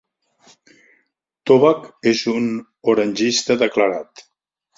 Tobback és un orangista declarat.